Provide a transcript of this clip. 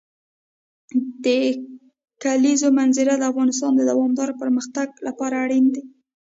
د کلیزو منظره د افغانستان د دوامداره پرمختګ لپاره اړین دي.